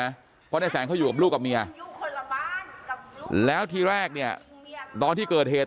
เพราะนายแสนเขาอยู่กับลูกกับเมียแล้วทีแรกเนี่ยตอนที่เกิดเหตุ